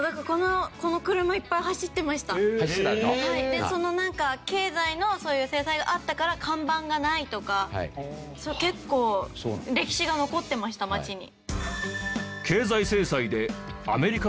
でそのなんか経済のそういう制裁があったから看板がないとか結構歴史が残ってました町に。